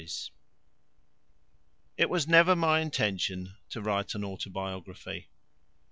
It was never my intention to write an autobiography.